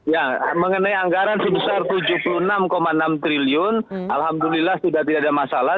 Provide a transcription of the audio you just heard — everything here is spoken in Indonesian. ya mengenai anggaran sebesar rp tujuh puluh enam enam triliun alhamdulillah sudah tidak ada masalah